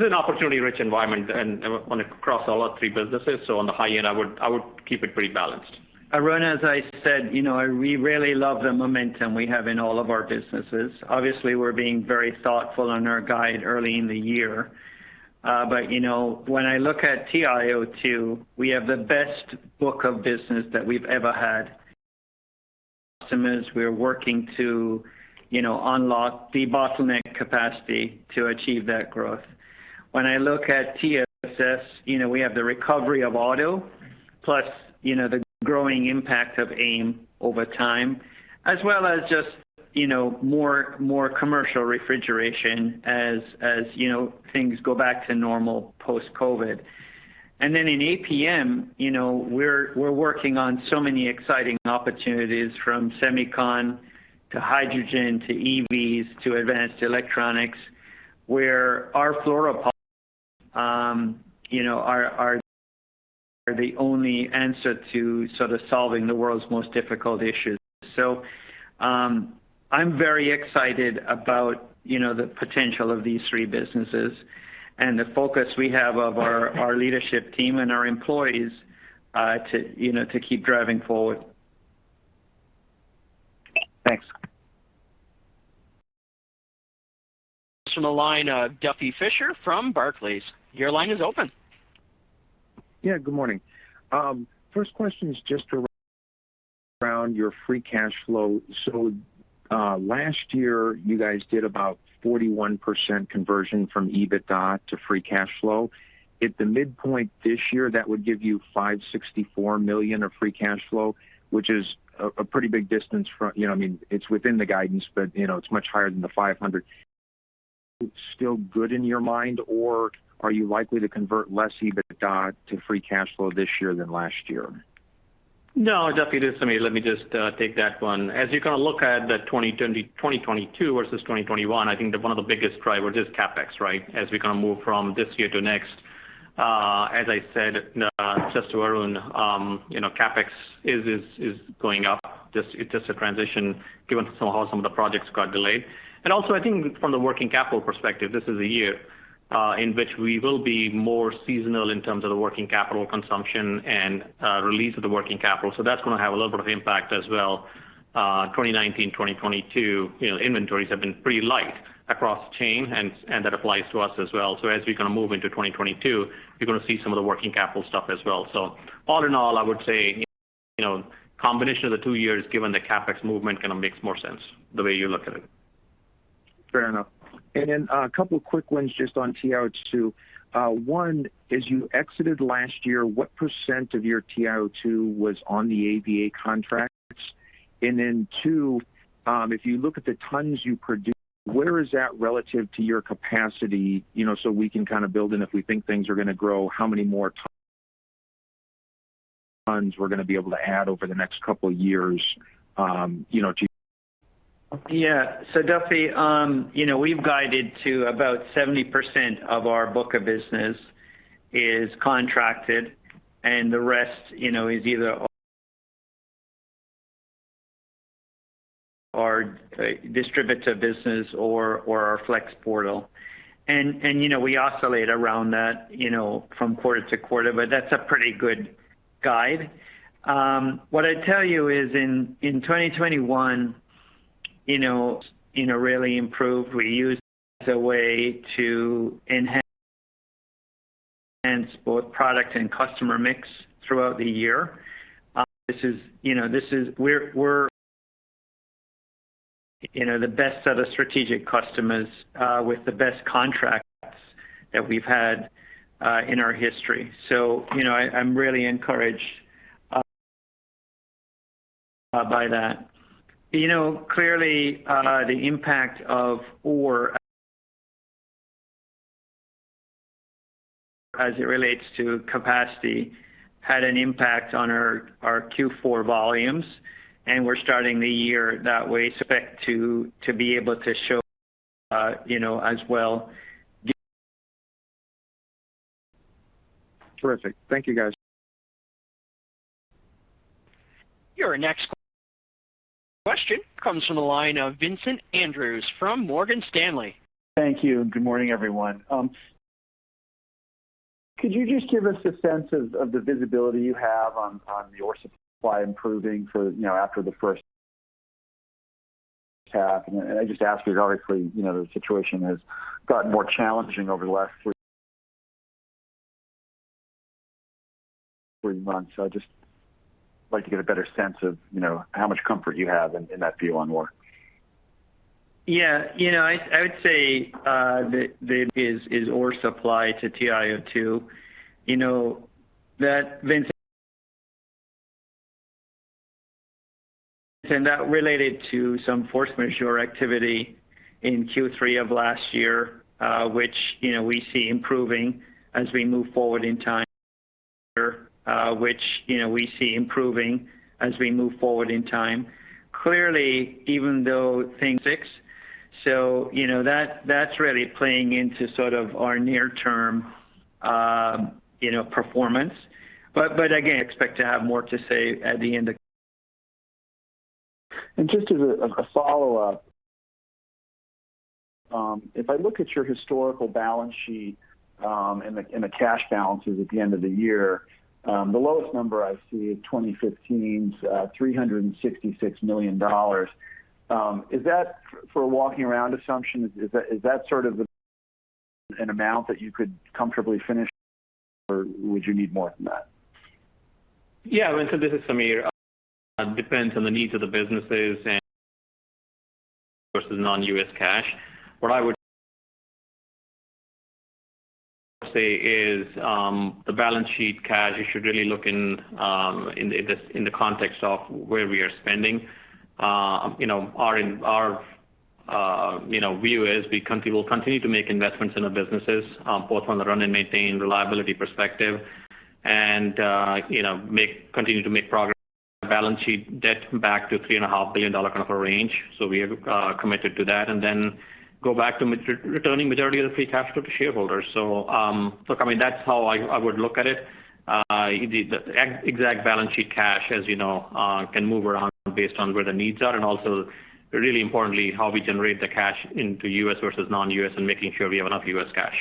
an opportunity-rich environment and across all our three businesses. On the high end, I would keep it pretty balanced. Arun, as I said, you know, we really love the momentum we have in all of our businesses. Obviously, we're being very thoughtful on our guide early in the year. You know, when I look at TIO2, we have the best book of business that we've ever had. Customers, we are working to, you know, unlock the bottleneck capacity to achieve that growth. When I look at TSS, you know, we have the recovery of auto plus, you know, the growing impact of AIM over time, as well as just, you know, more commercial refrigeration as you know, things go back to normal post-COVID. Then in APM, you know, we're working on so many exciting opportunities from semicon to hydrogen to EVs to advanced electronics, where our fluoropolymers, you know, are the only answer to sort of solving the world's most difficult issues. I'm very excited about, you know, the potential of these three businesses and the focus we have of our leadership team and our employees, you know, to keep driving forward. Thanks. From the line, Duffy Fischer from Barclays. Your line is open. Yeah, good morning. First question is just around your free cash flow. Last year, you guys did about 41% conversion from EBITDA to free cash flow. At the midpoint this year, that would give you $564 million of free cash flow, which is a pretty big distance from. You know, I mean, it's within the guidance, but, you know, it's much higher than the $500. Still good in your mind, or are you likely to convert less EBITDA to free cash flow this year than last year? No, Duffy, this is Amit. Let me just take that one. As you kind of look at 2022 versus 2021, I think that one of the biggest drivers is CapEx, right? As we kind of move from this year to next. As I said, just to Arun, you know, CapEx is going up. Just a transition given to how some of the projects got delayed. I think from the working capital perspective, this is a year in which we will be more seasonal in terms of the working capital consumption and release of the working capital. So that's gonna have a little bit of impact as well. 2019, 2022, you know, inventories have been pretty light across chain, and that applies to us as well. As we kind of move into 2022, you're gonna see some of the working capital stuff as well. All in all, I would say, you know, combination of the two years, given the CapEx movement kinda makes more sense the way you look at it. Fair enough. A couple quick ones just on TiO2. One, as you exited last year, what % of your TiO2 was on the AVA contracts? Two, if you look at the tons you produce, where is that relative to your capacity? You know, so we can kind of build in if we think things are gonna grow, how many more tons we're gonna be able to add over the next couple years, you know, to Yeah. Duffy, you know, we've guided to about 70% of our book of business is contracted, and the rest, you know, is either our distribution business or our Flex portal. We oscillate around that, you know, from quarter to quarter, but that's a pretty good guide. What I'd tell you is in 2021, you know, really improved. We used as a way to enhance both product and customer mix throughout the year. This is the best set of strategic customers with the best contracts that we've had in our history. You know, I'm really encouraged by that. You know, clearly, the impact of Ore as it relates to capacity had an impact on our Q4 volumes, and we're starting the year that way. Expect to be able to show, you know, as well. Terrific. Thank you, guys. Your next question comes from the line of Vincent Andrews from Morgan Stanley. Thank you. Good morning, everyone. Could you just give us a sense of the visibility you have on your supply improving for, you know, after the first half? I just ask because obviously, you know, the situation has gotten more challenging over the last three months. I'd just like to get a better sense of, you know, how much comfort you have in that view on ore. Yeah. You know, I would say the issue is ore supply to TiO2. You know, that, Vincent, and that's related to some force majeure activity in Q3 of last year, which, you know, we see improving as we move forward in time. Clearly, even though things so you know, that's really playing into sort of our near term, you know, performance. But again, expect to have more to say at the end of. Just as a follow-up. If I look at your historical balance sheet and the cash balances at the end of the year, the lowest number I see is 2015's $366 million. Is that a working assumption, is that sort of an amount that you could comfortably finish, or would you need more than that? Yeah. Vincent, this is Sameer. Depends on the needs of the businesses and versus non-U.S. cash. What I would say is, the balance sheet cash, you should really look in the context of where we are spending. You know, our view is we will continue to make investments in our businesses, both on the run and maintain reliability perspective and, you know, continue to make progress balance sheet debt back to $3.5 billion kind of a range. We are committed to that. Go back to returning majority of the free cash flow to shareholders. Look, I mean, that's how I would look at it. The exact balance sheet cash, as you know, can move around based on where the needs are and also really importantly, how we generate the cash into U.S. versus non-U.S. and making sure we have enough U.S. cash.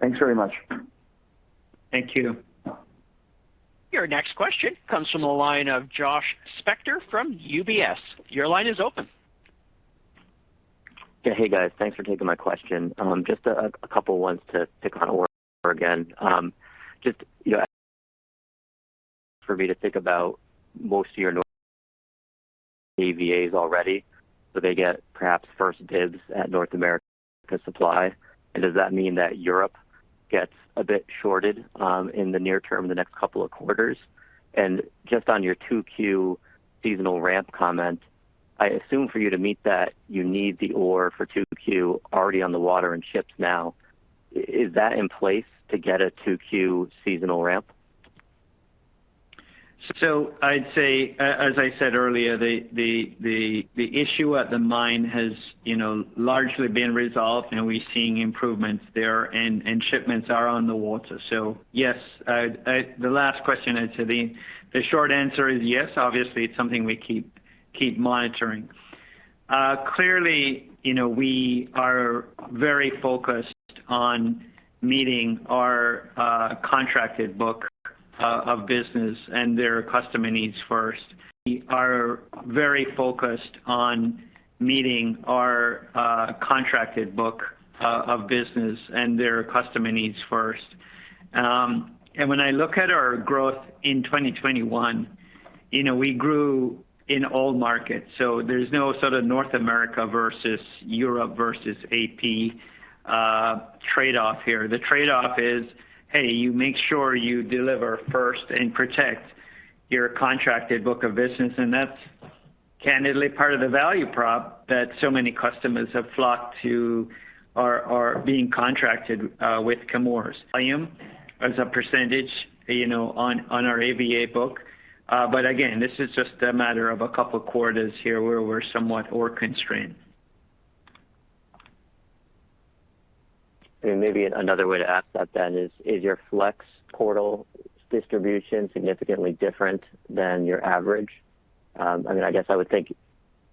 Thanks very much. Thank you. Your next question comes from the line of Josh Spector from UBS. Your line is open. Yeah. Hey, guys. Thanks for taking my question. Just a couple ones to pick on ore again. Just, you know, for me to think about most of your AVAs already, so they get perhaps first dibs at North America supply. Does that mean that Europe gets a bit shorted in the near term, the next couple of quarters? Just on your 2Q seasonal ramp comment, I assume for you to meet that you need the ore for 2Q already on the water and ships now. Is that in place to get a 2Q seasonal ramp? I'd say, as I said earlier, the issue at the mine has, you know, largely been resolved and we're seeing improvements there and shipments are on the water. Yes. The last question as to the short answer is yes. Obviously, it's something we keep monitoring. Clearly, you know, we are very focused on meeting our contracted book of business and their customer needs first. When I look at our growth in 2021, you know, we grew in all markets. There's no sort of North America versus Europe versus AP trade-off here. The trade-off is, hey, you make sure you deliver first and protect your contracted book of business. That's candidly part of the value prop that so many customers have flocked to are being contracted with Chemours. As a percentage on our AVA book. Again, this is just a matter of a couple quarters here where we're somewhat ore constrained. Maybe another way to ask that then is your Flex portal distribution significantly different than your average? I mean, I guess I would think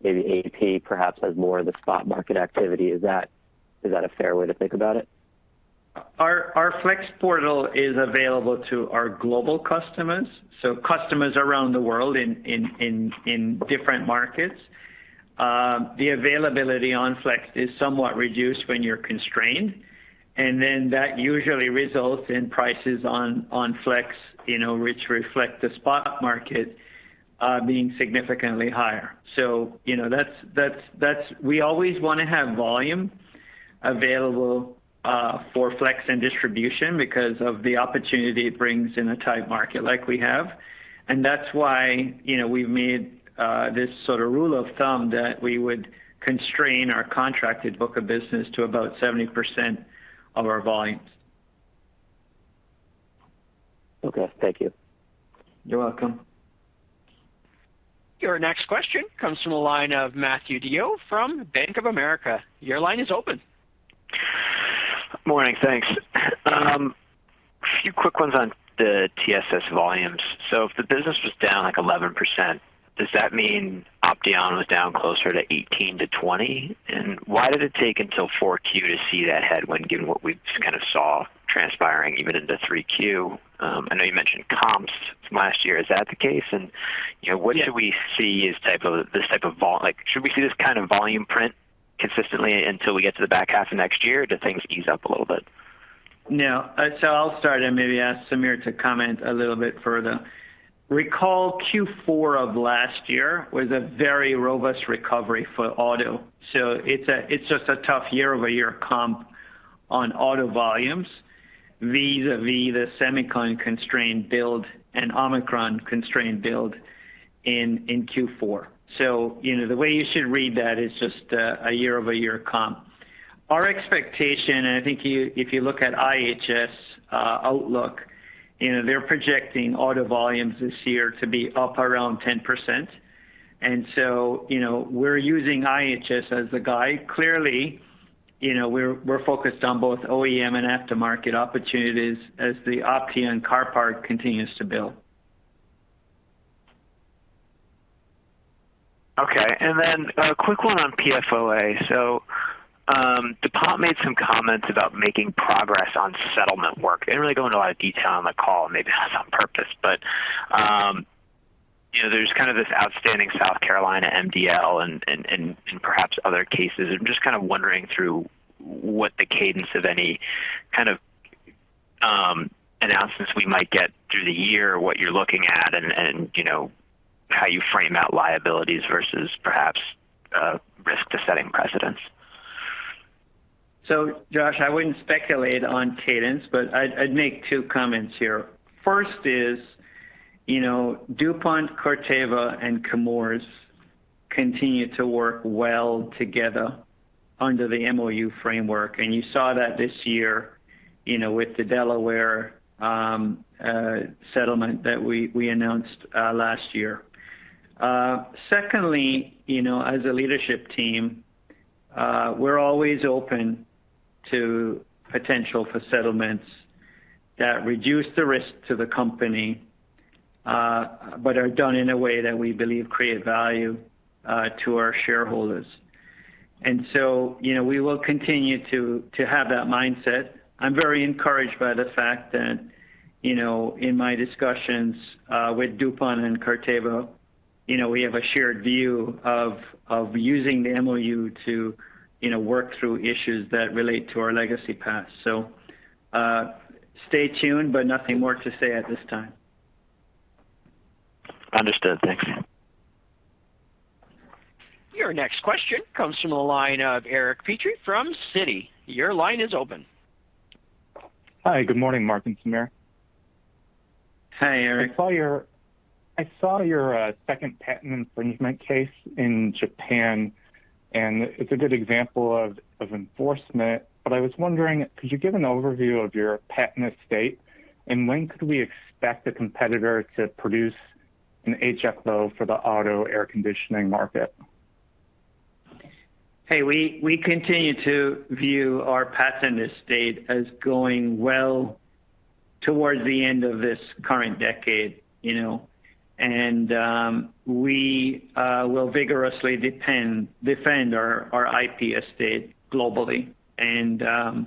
maybe AP perhaps has more of the spot market activity. Is that a fair way to think about it? Our Flex portal is available to our global customers, so customers around the world in different markets. The availability on Flex is somewhat reduced when you're constrained, and then that usually results in prices on Flex, you know, which reflect the spot market being significantly higher. You know, that's. We always wanna have volume available for Flex and distribution because of the opportunity it brings in a tight market like we have. That's why, you know, we've made this sort of rule of thumb that we would constrain our contracted book of business to about 70% of our volumes. Okay. Thank you. You're welcome. Your next question comes from the line of Matthew DeYoe from Bank of America. Your line is open. Morning, thanks. A few quick ones on the TSS volumes. If the business was down like 11%, does that mean Opteon was down closer to 18%-20%? Why did it take until 4Q to see that headwind when given what we kind of saw transpiring even in the 3Q? I know you mentioned comps from last year, is that the case? You know, what should we see as this type of volume? Like, should we see this kind of volume print consistently until we get to the back half of next year? Do things ease up a little bit? No. I'll start and maybe ask Sameer to comment a little bit further. Recall Q4 of last year was a very robust recovery for auto. It's just a tough year-over-year comp on auto volumes vis-a-vis the semicon constrained build and Omicron constrained build in Q4. You know, the way you should read that is just a year-over-year comp. Our expectation, and I think you, if you look at IHS outlook, you know, they're projecting auto volumes this year to be up around 10%. You know, we're using IHS as the guide. Clearly, you know, we're focused on both OEM and aftermarket opportunities as the Opteon car part continues to build. Okay. Then a quick one on PFOA. DuPont made some comments about making progress on settlement work. They didn't really go into a lot of detail on the call, maybe that's on purpose, but there's kind of this outstanding South Carolina MDL and perhaps other cases. I'm just kind of wondering through what the cadence of any kind of announcements we might get through the year, what you're looking at and how you frame out liabilities versus perhaps risk to setting precedents. Josh, I wouldn't speculate on cadence, but I'd make two comments here. First is, you know, DuPont, Corteva and Chemours continue to work well together under the MOU framework, and you saw that this year, you know, with the Delaware settlement that we announced last year. Secondly, you know, as a leadership team, we're always open to potential for settlements that reduce the risk to the company, but are done in a way that we believe create value to our shareholders. You know, we will continue to have that mindset. I'm very encouraged by the fact that, you know, in my discussions with DuPont and Corteva, you know, we have a shared view of using the MOU to work through issues that relate to our legacy path. Stay tuned, but nothing more to say at this time. Understood. Thanks. Your next question comes from the line of Eric Petrie from Citi. Your line is open. Hi. Good morning, Mark and Sameer. Hi, Eric. I saw your second patent infringement case in Japan, and it's a good example of enforcement. I was wondering, could you give an overview of your patent estate? When could we expect a competitor to produce an HFO for the auto air conditioning market? Hey, we continue to view our patent estate as going well towards the end of this current decade, you know. We will vigorously defend our IP estate globally. I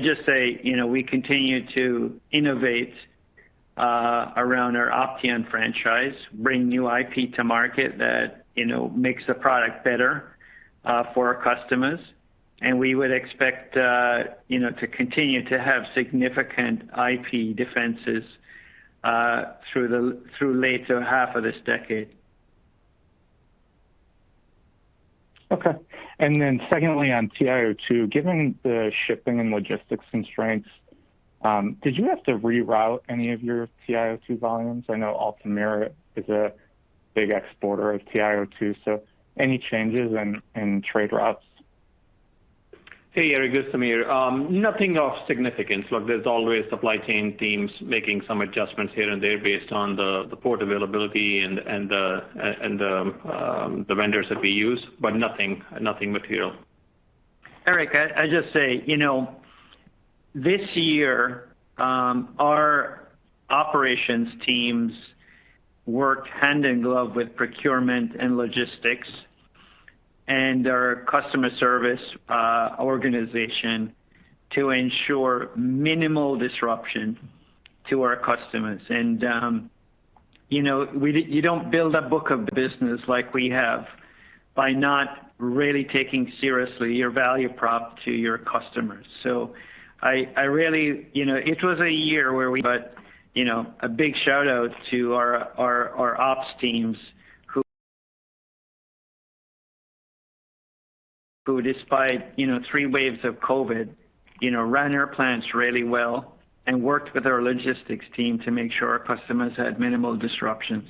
just say, you know, we continue to innovate around our Opteon franchise, bring new IP to market that, you know, makes the product better for our customers. We would expect, you know, to continue to have significant IP defenses through the later half of this decade. Okay. Secondly, on TiO2, given the shipping and logistics constraints, did you have to reroute any of your TiO2 volumes? I know Altamira is a big exporter of TiO2, so any changes in trade routes? Hey, Eric. This is Sameer. Nothing of significance. Look, there's always supply chain teams making some adjustments here and there based on the port availability and the vendors that we use, but nothing material. Eric, I just say, you know, this year, our operations teams worked hand in glove with procurement and logistics and our customer service organization to ensure minimal disruption to our customers. You know, you don't build a book of business like we have by not really taking seriously your value prop to your customers. You know, it was a year where we got, you know, a big shout-out to our ops teams who despite, you know, three waves of COVID, you know, ran our plants really well and worked with our logistics team to make sure our customers had minimal disruptions.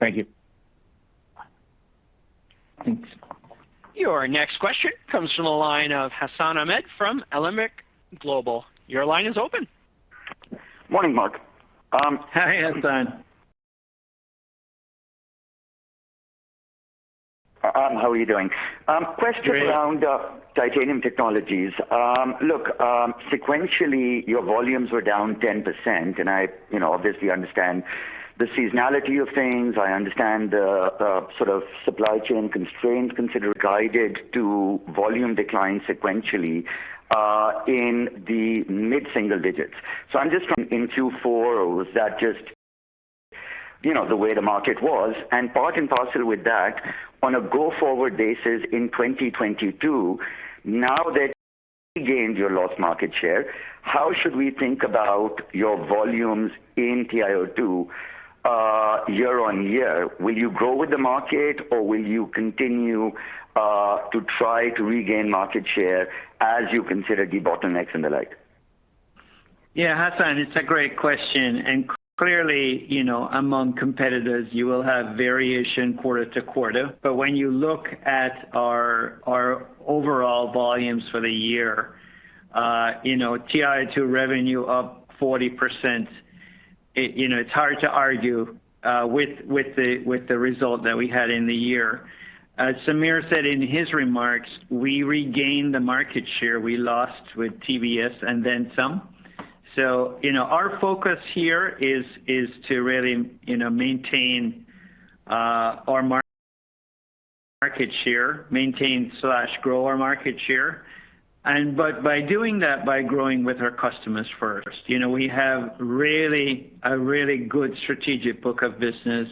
Thank you. Thanks. Your next question comes from the line of Hassan Ahmed from Alembic Global. Your line is open. Morning, Mark. Hi, Hassan. How are you doing? Question Great. Around Titanium Technologies. Look, sequentially, your volumes were down 10% and I, you know, obviously understand the seasonality of things. I understand the sort of supply chain constraints. You guided to volume decline sequentially in the mid-single digits. So I'm just wondering into Q4, or was that just, you know, the way the market was. Part and parcel with that on a go-forward basis in 2022, now that you've regained lost market share, how should we think about your volumes in TiO2 year-on-year? Will you grow with the market or will you continue to try to regain market share as you consider debottlenecks and the like? Yeah, Hassan, it's a great question. Clearly, you know, among competitors you will have variation quarter to quarter. When you look at our overall volumes for the year, you know, TiO2 revenue up 40%. You know, it's hard to argue with the result that we had in the year. As Sameer said in his remarks, we regained the market share we lost with TVS and then some. You know, our focus here is to really, you know, maintain our market share. Maintain/grow our market share. By doing that, by growing with our customers first. You know, we have a really good strategic book of business,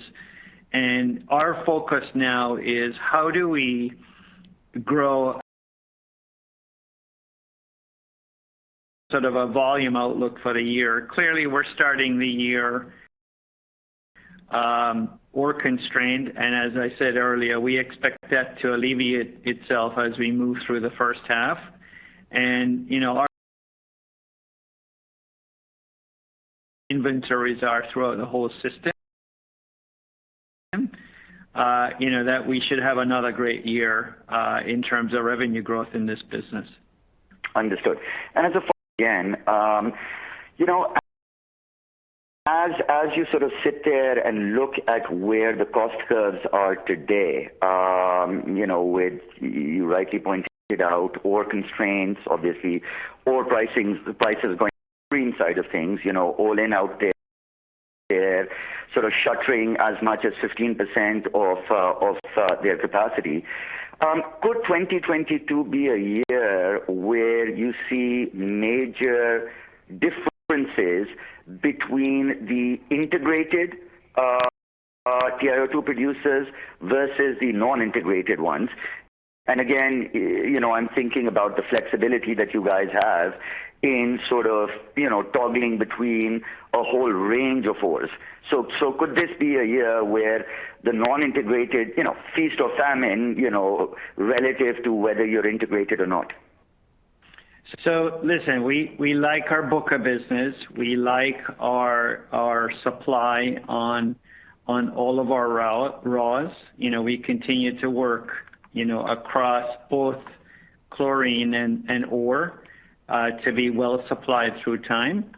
and our focus now is how do we grow a volume outlook for the year. Clearly, we're starting the year, we're constrained, and as I said earlier, we expect that to alleviate itself as we move through the first half. You know, our inventories are throughout the whole system. You know, that we should have another great year in terms of revenue growth in this business. Understood. As a follow-up, you know, as you sort of sit there and look at where the cost curves are today, you know, with what you rightly pointed out ore constraints, obviously, ore prices going higher, you know, Olin out there sort of shuttering as much as 15% of their capacity. Could 2022 be a year where you see major differences between the integrated TiO2 producers versus the non-integrated ones? You know, I'm thinking about the flexibility that you guys have in sort of, you know, toggling between a whole range of ores. Could this be a year where the non-integrated, you know, feast or famine, you know, relative to whether you're integrated or not? Listen, we like our book of business. We like our supply on all of our raws. You know, we continue to work, you know, across both chlorine and ore to be well supplied through time.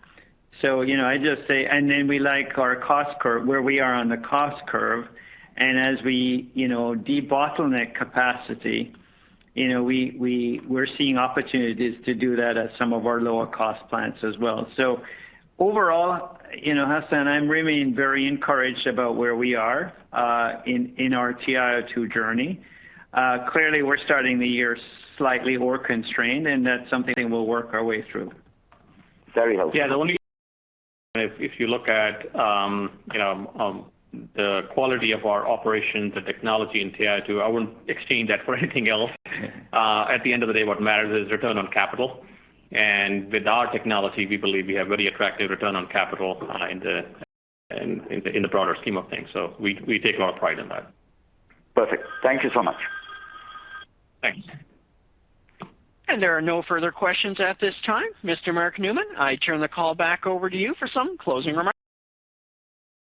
You know, I just say. We like our cost curve, where we are on the cost curve. As we, you know, debottleneck capacity, you know, we're seeing opportunities to do that at some of our lower cost plants as well. Overall, you know, Hassan, I remain very encouraged about where we are in our TiO2 journey. Clearly, we're starting the year slightly more constrained, and that's something we'll work our way through. Very helpful. Yeah. If you look at, you know, the quality of our operations, the technology in TiO2, I wouldn't exchange that for anything else. At the end of the day, what matters is return on capital. With our technology, we believe we have very attractive return on capital in the broader scheme of things. We take a lot of pride in that. Perfect. Thank you so much. Thanks. There are no further questions at this time. Mr. Mark Newman, I turn the call back over to you for some closing remarks.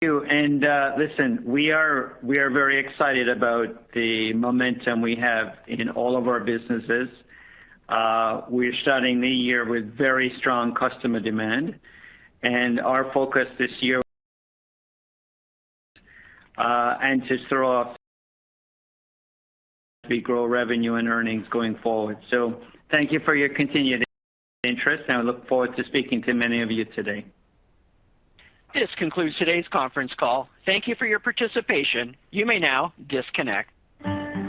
Thank you. Listen, we are very excited about the momentum we have in all of our businesses. We're starting the year with very strong customer demand. Our focus this year is to throw off as we grow revenue and earnings going forward. Thank you for your continued interest, and I look forward to speaking to many of you today. This concludes today's conference call. Thank you for your participation. You may now disconnect.